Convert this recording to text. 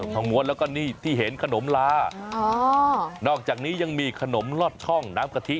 ทองม้วนแล้วก็นี่ที่เห็นขนมลาอ๋อนอกจากนี้ยังมีขนมลอดช่องน้ำกะทิ